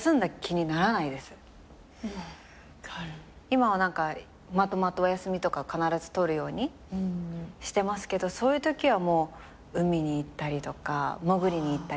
今はまとまったお休みとか必ず取るようにしてますけどそういうときはもう海に行ったりとか潜りに行ったり。